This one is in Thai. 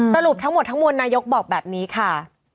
สรุปทั้งหมดทั้งมวลนายกบอกแบบนี้ค่ะ